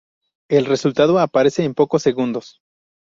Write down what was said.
El resultado aparece en pocos segundos.